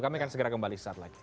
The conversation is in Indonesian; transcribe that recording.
kami akan segera kembali